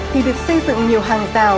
thì được xây dựng nhiều hàng rào